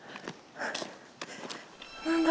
何だ？